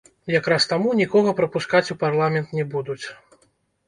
Якраз таму нікога прапускаць у парламент не будуць.